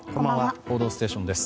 「報道ステーション」です。